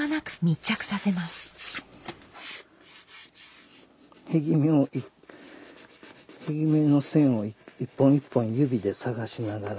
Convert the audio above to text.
片木目の線を一本一本指で探しながら。